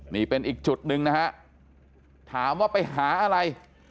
นี่เป็นอีกจุดหนึ่งนะฮะถามว่าไปหาอะไร